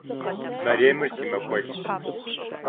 Мэремыр си махуэлщ.